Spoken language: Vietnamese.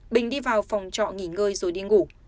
bình đi vào phòng trọ nghỉ ngơi rồi đi ngủ